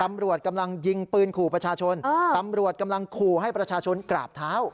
ตำรวจกำลังยิงปืนขู่ประชาชนตำรวจกำลังขู่ให้ประชาชนกราบเท้า